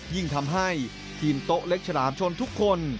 ยิ่งทำให้ทีมโต๊ะเล็กฉลามชนทุกคน